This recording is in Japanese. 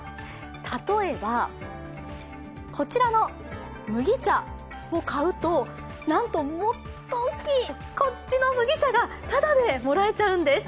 例えば、こちらの麦茶を買うとなんと、もっと大きいこっちの麦茶がただでもらえちゃうんです。